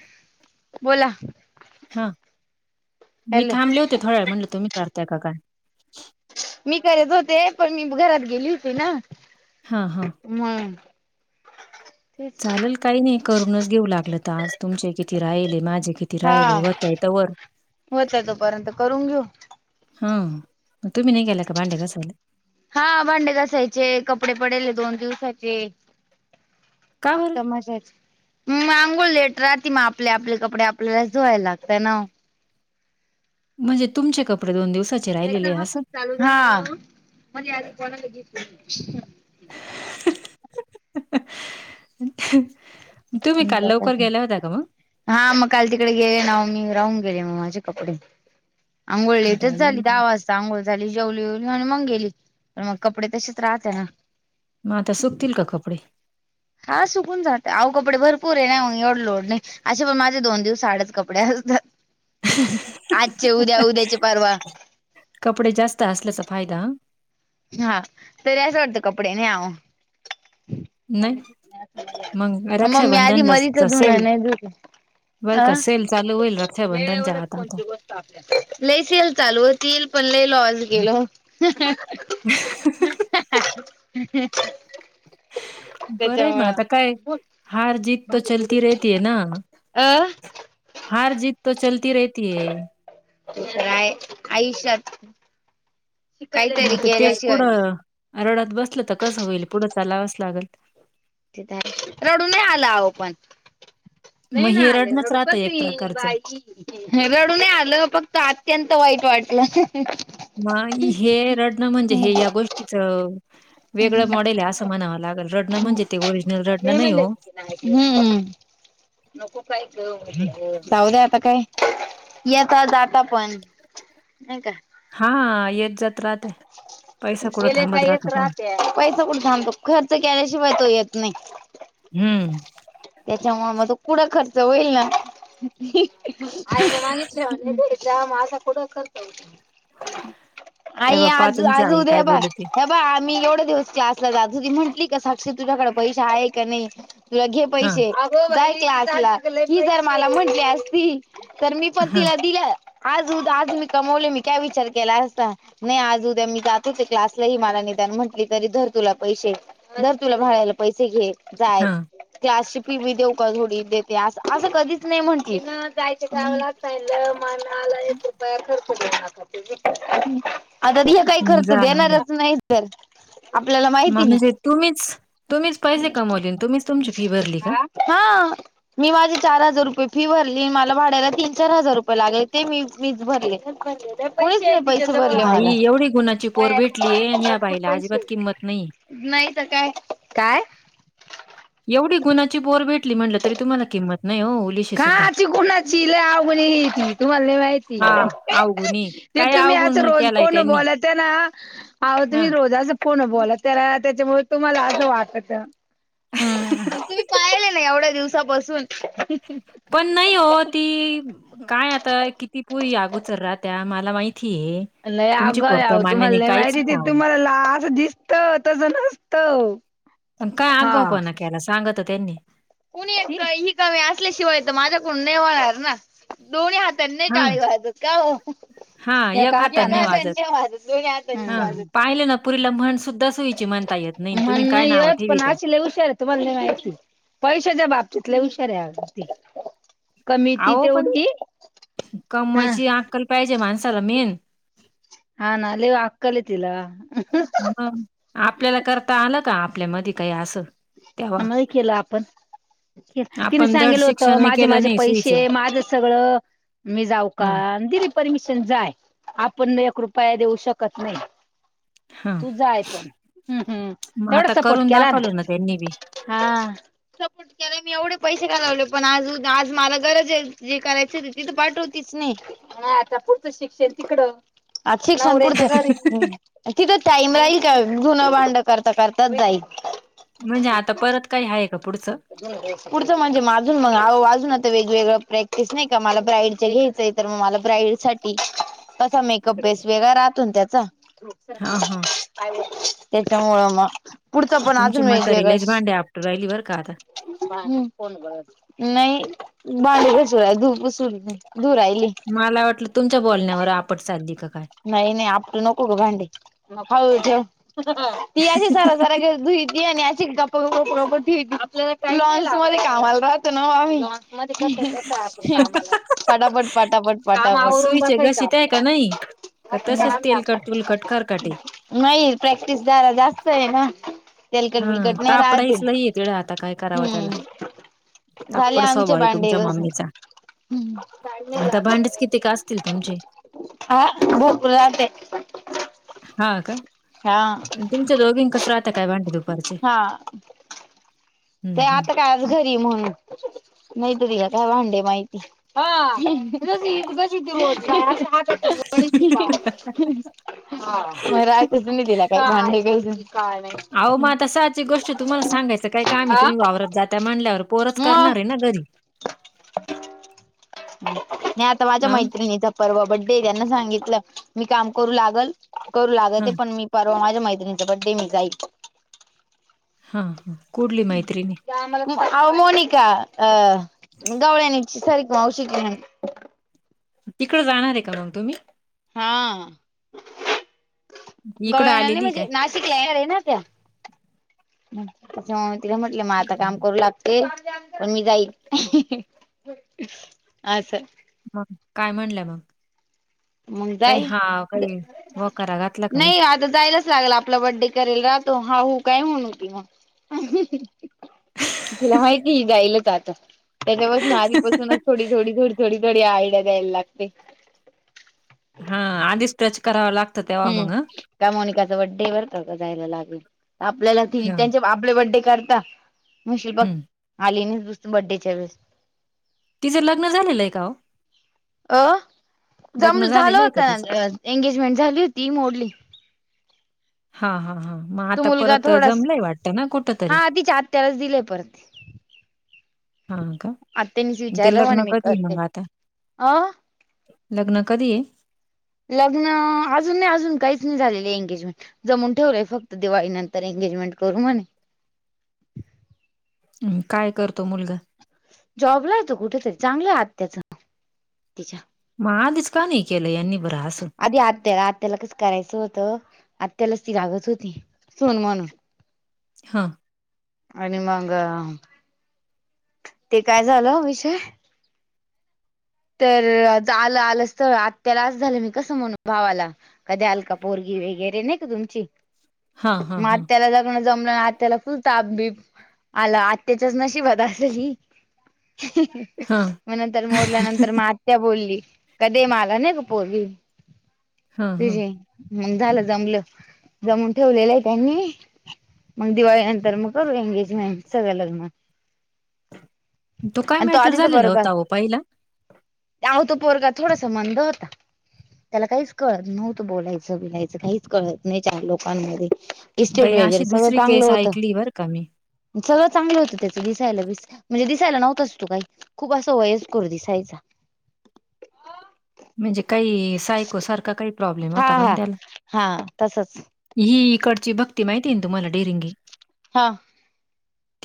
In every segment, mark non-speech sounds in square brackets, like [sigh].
[inaudible] बोला. हा मी हॅलो थांबले होते थोडा वेळ म्हणलं तुम्ही करत्या का काय? मी करत होते पण मी घरात गेली होती ना. हा हा. मंग तेच [inaudible] चालेल काही नाही करूनच घेऊ लागलं त आज तुमचे किती राहिल माझे कित हा होत तो पर्यंत करून घेऊ. हा तुम्ही नाही गेला का भांडे घसयला? हा भांडे घसायचे कपडे पडेल हे दोन दिवसाचे. काहुन? [unintelligible] मअंगोळ लेट राती म आपले आपले कपडे आपल्याला च धवायला लागत ना हो. म्हणजे तुमचे कपडे दोन दिवसाच एकत हफीस चालू [unintelligible] हा म्हणजे आम्ही कोणाला ग [inaudible] काल लवकर गेल्या होत्या का मग? हा म काल तिकडे गेले ना, हो मी राहून गेले म माझे कपडे. आंघोळ लेट झाली बाई! दहा वाज. त चांगल झाली जेवली बिवली आणि मंग गेली पण मग कपडे तसेच राहत्या ना. म आता सुकतील का कपडे? हा सुकून जात आऊ कपडे भरपूर हे ना, मंग एवढ लोढ नाही. आशे पण पण माझे दोन दिवसा आडच कपडे असतात. आजचे उद्या उद्याचे परवा. कपडे जास्त असल्याचा फायदा. हा तरी आसं वाटतं कपडे नाही आ वो. नाही? मग [inaudible] मम्मी आधी रक्षाबंधनला मरीच धुन सेल नाही धुत. बरं अ का सेल चालू होईल वेळ रक्षाबंधनच्या वरच आता. कोणती बस? [unintelligible] लई सेल चालू होतील पण लई लॉस गेलो. ह [unintelligible] ह् ह [unintelligible] बरं हे म आता काय हार जीत तर चलती राहतीये ना. अ हार जीत तर चलती रहती है. त्याचकाय आयुष्यात म काहीतरी आता तेच केल्याशिवाय कुढं रडात बसलं तर कसं होईल पुढं लावच लागल. तथ आहे रडून नाही आल आवो पण मग नाही ना हे आले रडणंच रडू राहतं कस एक येईल प्रकारचं. बाय [unintelligible] ह रडून नही आलं फक्त आत्यंत वाईट वाटलं. म ही हे रडणं म्हणजे मी हे या गोष्टीच वेगळं मॉडेल हे आसं म्हणावं लागेल रडन म्हणजे ते ओरिजिनल रडना नाही म्हणले हो. होते हम्म. [inaudible] नको काय जाऊ द्या आता काय येत जाता पण नाही का? हा येत जात राहतो, पैसा कूट गेले थांबत येत राहतो का? राहत्या. पैसा कुठे थांबतो. खर्च केल्याशिवाय तो येत नाही. हम्म! त्याच्यामुळे तर तो पुढे खर्च होईल ना, आईने मागितलं. आज पुढे कर्तव्य आहे काय बाई, आई बाप्पा तुमची आज, आई उद्या काय ये बोलते? बाई बा आम्ही एवढे दिवस क्लासला जाते. हो ती म्हंटली का साक्षी तुझ्याकडे पैसा आहे का नाही तुला घे. हां, पैसे, जाईल की आज तुला, ही जर मला म्हटली असतील. तर मी पण हां, तिला दिलं. आज, उद्या, आज मी कमवले मी काय विचार केला असता. नाही आज, उद्या मी जातो तिथे क्लासलाही मला निदान म्हटली तरी धर तुला पैसे! थर तुला रहायला पैसे घे जाय. हां. त्यासनी बी देऊ का थोडी देते असं असं कधीच नाही म्हटल. आम्हाला एक रुपया खर्च करू नका तुम्ही! आता ती काही खर्च जा देणारच नाही. तर आपल्याला म माहिती ना म्हणजे तुम्हीच, तुम्हीच पैसे कमवले आणि तुम्हीच तुमची फी भरली का? आ हा. मी माझे चार हजार रुपये फी भरली. मला भाड्याला तीन, चार हजार रुपये लागले ते मी मीच भरले. भरलेले. होय च की पैसे भरले बाई म्हणून, एवढी गुणाची पोर पै भेटलीये मला आणि या भरपूर बाईला अजिबात पैसे. किंमत नाहीये. नाही तर काय, काय! एवढी गुणाची पोर भेटली म्हटलं तरी तुम्हाला किंमत नाही ओ काची कोुणाची ल अवघणी घ तती तुम्हालाला माहिती. हा अवगुणी [unintelligible] ते काय तुम्ही असं अवगुण रोज केलाय फोन त्यांनी बोलते ना, अहो हा. तुम्ही रोजच फोनवर बोलते ना, त्याच्यामुळे तुम्हाला असं वाटत! हम् तुम्ही पाहिले ना एवढ्या दिवसापासून. पण नाही ओ ती काय आता किती पुरी अगावंच राहत्या मला माहिती ये. नाही अगाव याह तुम्हाला नाही माहिती ते अहो. तुम्हाला ला जस दिसत तसं नसतं! आणि काय अगाव हा. पणा केला सांगा तर त्यांनी कुणी ही कमी असल्याशिवाय तर माझ्याकडून ने होणार ना. दोन्ही हातांनी नाही हा, टाळी वाजतं का हो! हा एका एक हाताने वाजत. नाही वाजत दोनी हाताने टाळी हां, वाजते. पाहिलं ना पुरीला म्हण सुद्धा सोयीची म्हणता येत नाही, तुम्ही काय नाव ठेवी त्या. लई हुशार आहेत. तुम्हाला नाही माहिती, पैशाच्या बाबतीत लई हुशार आहे अगं ती. कमी फी अहो, पण तेवढी हा. काय पाहिजे माणसाला मेन. हा ना लई अक्खल आह तिला. मग आपल्याला करता आलं का आपल्या मधी काय असं. तेव्हा? नाही केलं आपण. तिने आपण धड सांगितलं होत, शिक्षणही माझे केलं माझे नाही पैसे सुईचं. माझं सगळं. मी जाऊ का हं, दिलीप. परमिशन जाय. आपण एक रुपया देऊ शकत नाही. हं. तुझ आहे पण, हम् हम् मग तेवढा आता सपोर्ट करून केला ना. दाखवलं त्यांनी बी. हा.. सपोर्ट केला. त्याला मी एवढे पैसे घालवले. पण आज, आज मला गरज आहे जे करायची ती तर पाठवतीच नाही. हा आता पुढच शिक्षण तिकडं, आ शिक्षण तिकड आणि तिथंच टाईम राहील का धूणं भांड करता करताच जाईल. म्हणजे एक आता परत काय आहेय का पुढचं! पुढचं म्हणजे माजून मग अजून आता वेगवेगळं प्रॅक्टिस नाही का मला ब्राईडच घ मग मला ब्राईडल साठी तसा मेकअप बेस वेगळा राहतो त्याचा हां, हां. त्याच्या मोळमा पुतप ना च मात र ल इज मांडे आप्टरयल्ल बर का आता बा फण ब नाही बाारीकचर धू राहिली मला वाटलं तुमच्या बोलण्यावर आपट साधली का काय नाही नाही आपड नको भांडी म खाऊ ती अशी सार सरा ुई ती आणि अशी ग् लॉन्च मध्ये कामाला राहतं ना आ्ही. पटापट पटापट पटापट करून सुईचे बघायचं घशीट आहे का आपल्या नाही? का तसेच तेलकट तुलकट खरकाटे नाही प्रॅक्टिस दर जास्त आहे ना. तेलकट हा बलकट नाही राहते तापडाईच लई आहे तिकडं आता काय करावं त्याला हम्म. झाले तापड स्वभाव आमच्या आहे बांडे तुमच्या कसून. मम्मीचा हम्म आता चमला भांडेच किती का असतील तुमचे भोरपूर जात हा का तुमच्या दोघीं कस राहत काय भांडे दुपारचे हा ते हम्म आता कायज हम्म घरी म्हणून नाहीत तघ काय भांडे माहिती हा ठीक आहे ना हा मग राहाच तु दिला काय काय नाही अह म तसाची गोष्ट तुम्हाला सांगायचं काय काम आहे आ. तुम्ही वावरत जाता म्हनल्यावर पोरच मग करणार आहे ना घरी नाही आता माझ्या हा मैत्रिणी तर परवा बड्डे त्यांना सांगितलं मी काम करू लागल करू लागल हा ते पण मी बवा माझ्या मैतिणीं बड्डे मील जायको हां ह कडली मैत्रीिणी मोनिका अ गवळ्यानी सर मऔ शिक तिकडे जाणार आहे करण तुम्ही हा इकडं गवळ्या आलेली म्हणजे आहे ना शिक आहे ना त्या म तिला म्हटलं म आता काय काम करू लाग ते पण मी जाईल असं ह काय म्हणलंय मग मग काही जाई हा काही वकारा घातला का नाही नाही आज जायलाच लागला आपला बडडे करेल राहतो हा होू काय म्हण होती मग तुला माहिती गयलच आता त्याच्यावासून आधीपून थोडी थोडी थोडी थोडी थोडी आयडिया द्यायला लागते हा आधी स्ट्रेच करावा लागत हम् का मोनिकाच बड्डे बर जायला लागेल आपल्याला हं, त्यां आपले बड्डे करता मुशील बघ हं. आली नाही दुस बड्डेच्या वेळेस तिझं लग्न झालेलं आहे का अ लग्न जमलं झाला झालेलं आहे का होता तिचं? एंगेजमेंट झाली होती मोडली हा हा हा मग तो आता मुलगा परत थोडास जमलंय वाटत ना कुठ तरी हा तिच्या आत्यालाच दिलेय परत हा का आत्यानीच विचारलं म्हणे तेलकन मी कधी करते मंगता अ लग्न कधी आहे लग्न अजून नाही अजून काहीच नाही झालेले एंगेजमेंट जमून ठेवलंय फक्त दिवाळी नंतर एंगेजमेंट करू म्हणे काय करतो मुलगा जॉबला य तो कुठेतरी चांगलं आत्याच तिच्या मग आधीच का नाही केलं यांनी बरं असं. आधी आत्या त्याला कस करायचं होतं आत्यालाच ती लागत होती सुन म्हणून. हा. आणि मग ते काय झालं विषय तर आ आलं आलंच आत्यालाच झालं मी कसं म्हणू भावाला का द्याल का पोरगी वगैरे नाही का तुमची हां, हां, मग हां. आत्याला जा जम आत्याला फुल ताप बीप आलं आत्याच्याच नशिबात असली ह ह‌. हां, मग नंतर मोडल्या नंतर म आत्या बोलली कधी माग नाही का पोरगी हां, हां. तुझे म झालं जमलं जमून ठेवलेलं आहे त्यांनी मग दिवाळीनंतर मग करू एंगेजमेंट सगळं लग्न. तो काय मॅटर झालेला होता हो पहिला? आहो तो पोरगा थोडासा मंद होता. त्याला काहीच कळत नव्हतं बोलायचं बिलायचं काहीच कळत नाही चार लोकांमध्ये. इस्टेट बाई वगैरे अशी सगळं दुसरी चांगलं केस होतं. ऐकली बरं का मी. सगळं चांगलं होतं त्याच दिसायला म्हणजे दिसायला नव्हंच तो काही खूप असं वयस्कर दिसत त्याचा म्हणजे काही सायको सारखा काही प्रॉब्लेम होता हा काण हा त्याला? हा तसच ही इकडची भक्ती माहितीय तुम्हाला डेरिंगी हां.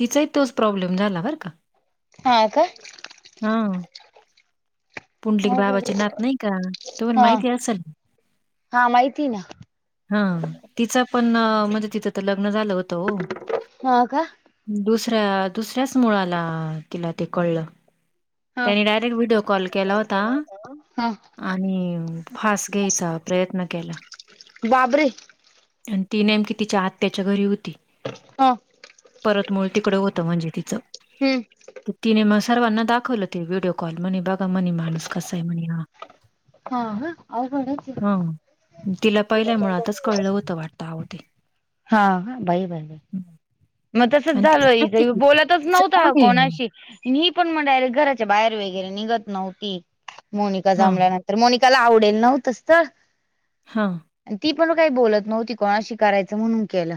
तिचाही तोच प्रॉब्लेम झाला बर का. हा का हा पुंडलीक अवघड बाबाची आहे नात नाही का तुम्हाला हा माहिती असेल. हा माहिती ना हा तिचा पण म्हणजे तिच तर लग्न झालं होतं हो हो का. दुसऱ्या दुसऱ्याच मुळाला तिला ते कळलं. हा त्यानी डायरेक्ट व्हिडिओ कॉल केला होता. फास घ्यायचा प्रयत्न केला. बापरे! आणि ती नेमकी तिच्या आत्याच्या घरी होती. हा. परत मूळ तिकडं होतं म्हणजे तिचं. हम्म तिने मग सर्वांना दाखवलं ते व्हिडिओ कॉल म्हणे बघा म्हणे माणूस कसं आहे म्हणे हा. हा का अवघडच आहे. तिला पहिलाय मुळातच कळलं होतं वाटतं आहों ते. हा बाई बाईई. हं. मग तसच आणि तिचं माहिती झालय आहे की बोलतच तिचं नव्हत कोण आहे? कोणाशी. ही पण मग डायरेक्ट घराच्या बाहेर वगैरे निघत नव्हती मोनिका हां, जमल्या ना. तर मोनिकाला आवडेल नव्हत स्थळ. हां. ती पण काही बोलत नव्हती कोणाशी कायचं म्हणून केलं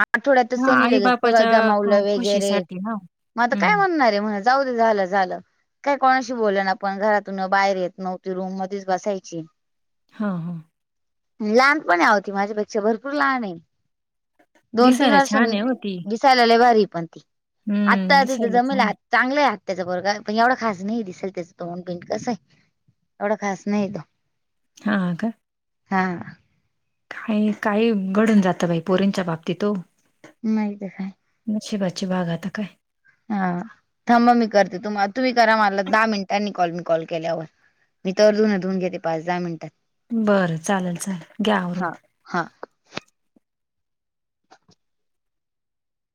आठवड्यात हां, सनी लगे सगळं आई-बापाच्या क जमावलं वगैरे खुशीसाठी ना. मग आता हं. काय म्हणणार. ते म्हणले जाऊ दे झालं झालं. काय कोणाशी बोललं ना आपण घरातून बाहेर येत नव्हती रूम मध्येच बसायची. हा हा. लहानपण आहे आहों ती माझ्यापेक्षा भरपूर लहान आहे. दोन तीन दिसायला छान वर्षांनी आहे ओ ती. दिसायला लय भारी पण ती हं, आता तिथ दिसायला जमेल. छान आहे. चांगलंय आात्याच पोरगा पण एवढा खास नाही दिसेल त्याचं तोंड बिंड कसं आहे. एवढं खास नाही तो हा हा का. हा. आणि काही घडून जातं बाई पोरीनच्या बाबती ओ नाही तर काय. नशिबची बाग आता काय हा थांब मी करते तु तुम्ही करा मला दहा मिनिटांनी कॉल मी कॉल केल्यावर मी तर अजून धून घेते पाच दहा मिनिटा बरं चालल चालल घ्या आवरून. हा [inaudible]